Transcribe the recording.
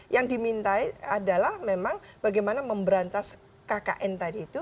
yang dimintai adalah memang bagaimana memberantas kkn tadi itu